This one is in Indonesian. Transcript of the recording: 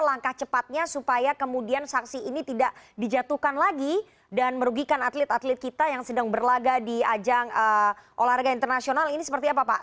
langkah cepatnya supaya kemudian saksi ini tidak dijatuhkan lagi dan merugikan atlet atlet kita yang sedang berlaga di ajang olahraga internasional ini seperti apa pak